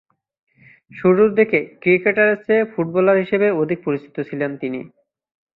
শুরুরদিকে ক্রিকেটারের চেয়ে ফুটবলার হিসেবে অধিক পরিচিত ছিলেন তিনি।